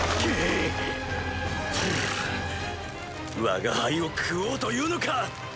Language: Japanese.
わが輩を食おうというのか？